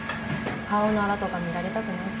顔のアラとか見られたくないし。